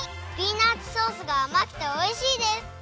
ピーナツソースがあまくておいしいです！